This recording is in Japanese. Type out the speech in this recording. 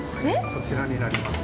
こちらになります。